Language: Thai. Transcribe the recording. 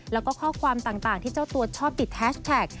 แล้วก็ข้อความต่างที่เจ้าตัวชอบติดแฮชแท็ก